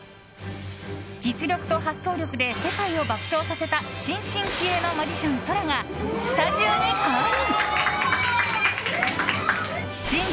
実力と発想力で世界を爆笑させた新進気鋭のマジシャンＳＯＲＡがスタジオに降臨。